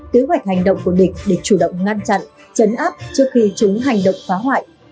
kế hoạch hành động của địch để chủ động ngăn chặn chấn áp trước khi chúng hành động phá hoại